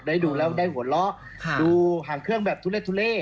ได้ดูแล้วได้หัวเราะดูหางเครื่องแบบทุเลทุเล